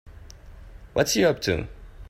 What's she up to?